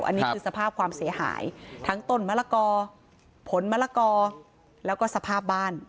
อันนี้คือสภาพความเสียหายทั้งต้นมะละกอผลมะละกอแล้วก็สภาพบ้าน